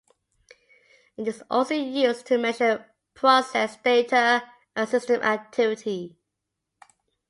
It is also used to measure process data and system activity.